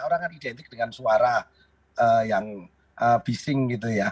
orang kan identik dengan suara yang bising gitu ya